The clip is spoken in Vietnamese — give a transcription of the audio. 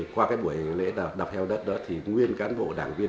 qua buổi lễ đọc heo đất nguyên cán bộ đảng viên